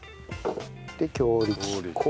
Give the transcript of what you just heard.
で強力粉。